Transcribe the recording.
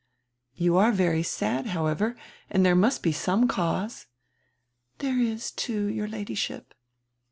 "You are very sad, however, and diere must be some cause." "There is, too, your Ladyship."